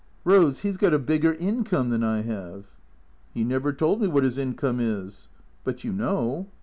" Rose — he 's got a bigger income than I have." " He never told me what his income is." " But you know